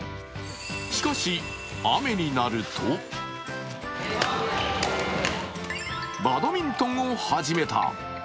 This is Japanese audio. しかし、雨になるとバドミントンを始めた。